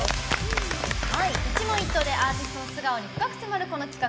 一問一答でアーティストの素顔に迫る深く迫るこの企画。